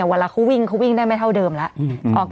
เวลาเขาวิ่งเขาวิ่งได้ไม่เท่าเดิมแล้ว